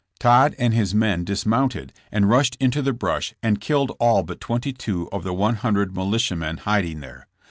Todd and his men dismounted and rushed into the brush and killed all but twenty two of the one hun dred militiamen hiding there.